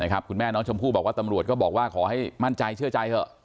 คุณแม่น้องชมพู่บอกว่าตำรวจก็บอกว่าขอให้มั่นใจเชื่อใจเถอะ